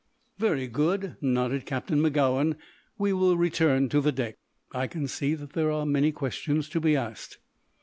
"Very good," nodded Captain Magowan. "We will return to the deck. I can see that there are many questions to be asked."